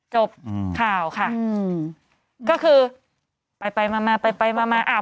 จบข่าวค่ะอืมก็คือไปไปมามาไปไปมามาอ้าว